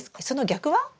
その逆は？